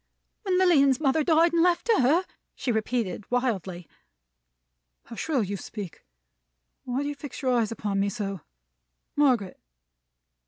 "When Lilian's mother died and left her!" she repeated, wildly. "How shrill you speak! Why do you fix your eyes upon me so? Margaret!"